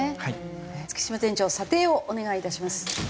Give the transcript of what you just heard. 月村店長査定をお願いいたします。